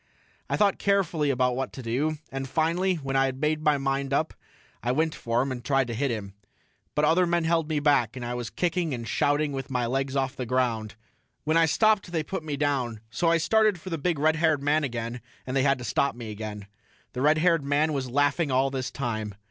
I thought carefully about what to do, and finally when I had made my mind up I went for him and tried to hit him. But other men held me back, and I was kicking and shouting with my legs off the ground. When I stopped they put me down, so I started for the big red haired man again and they had to stop me again. The red haired man was laughing all this time.